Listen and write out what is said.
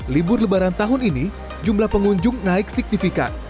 libur lebaran tahun ini jumlah pengunjung naik signifikan